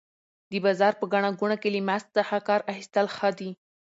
د بازار په ګڼه ګوڼه کې له ماسک څخه کار اخیستل ښه دي.